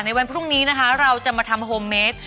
ในวันพรุ่งนี้เราจะมาทำโฮมเมส